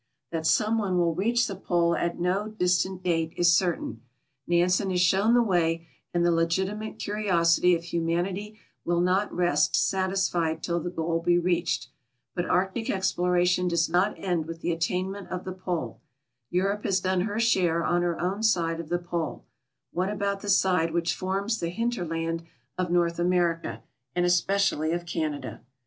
That some one will reach the Pole at no distant date is certain ; Nansen has shown the way, and the legitimate curiosity of humanity will not rest satisfied till the goal be reached. But Arctic exploration does not end with the attainment of the Pole. Europe has done her share on her own side of the Pole; what about the side which forms the hinter land of North America, and especially of Canada?